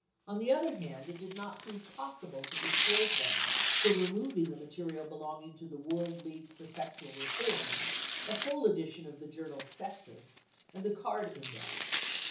On the other hand, it did not prove possible to dissuade them from removing the material belonging to the World League for Sexual Reform, the whole edition of the journal Sexus and the card index.